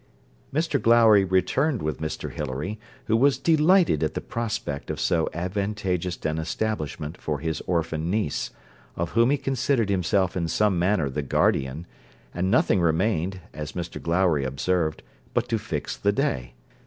Mr Glowry returned with Mr Hilary, who was delighted at the prospect of so advantageous an establishment for his orphan niece, of whom he considered himself in some manner the guardian, and nothing remained, as Mr Glowry observed, but to fix the day.